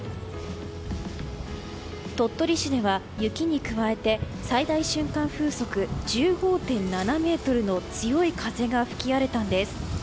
鳥取市では雪に加えて最大瞬間風速１５．７メートルの強い風が吹き荒れたんです。